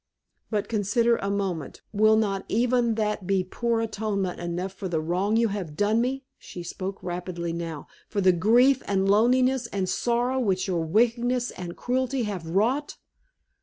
"But, consider a moment. Will not even that be poor atonement enough for the wrong you have done me," she spoke rapidly now, "for the grief and loneliness and sorrow which your wickedness and cruelty have wrought?"